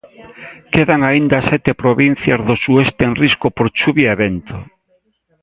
Quedan aínda sete provincias do sueste en risco por chuvia e vento.